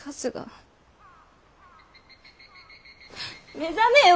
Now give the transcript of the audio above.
目覚めよ！